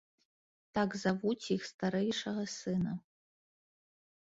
Так завуць іх старэйшага сына.